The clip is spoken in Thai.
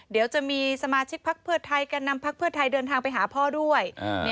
เดี๋ยวจะมีสมาชิกพักเพื่อไทยแก่นำพักเพื่อไทยเดินทางไปหาพ่อด้วย